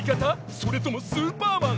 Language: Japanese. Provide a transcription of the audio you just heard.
それともスーパーマン？